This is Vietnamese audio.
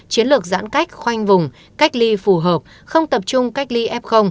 chiến lược giãn cách khoanh vùng cách ly phù hợp không tập trung cách ly f